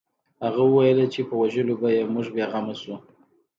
هغه وویل چې په وژلو به یې موږ بې غمه شو